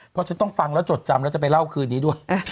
เพราะฉันต้องฟังแล้วจดจำแล้วจะไปเล่าคืนนี้ด้วย